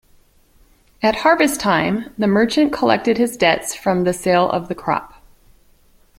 At harvest time the merchant collected his debts from the sale of the crop.